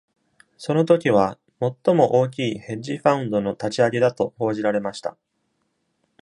その時は、最も大きいヘッジファウンドの立ち上げだと報じられました。